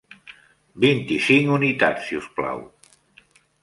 Vint-i-cinc unitats, si us plau.